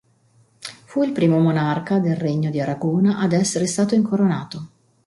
Fu il primo monarca del Regno di Aragona ad esser stato incoronato.